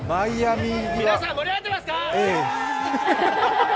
皆さん、盛り上がってますか。